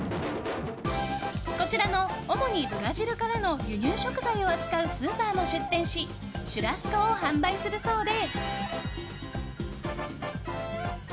こちらの、主にブラジルからの輸入食材を扱うスーパーも出店しシュラスコを販売するそうで。